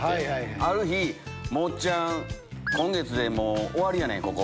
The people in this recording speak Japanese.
ある日、もうおっちゃん、今月でもう終わりやね、ここ。